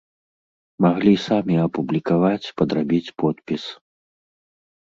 Маглі самі апублікаваць, падрабіць подпіс.